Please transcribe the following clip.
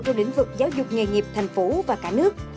trong lĩnh vực giáo dục nghề nghiệp thành phố và cả nước